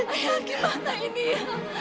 ayah gimana ini ya